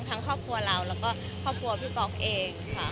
ครอบครัวเราแล้วก็ครอบครัวพี่ป๊อกเองค่ะ